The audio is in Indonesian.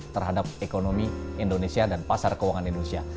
terhadap ekonomi indonesia dan pasar keuangan indonesia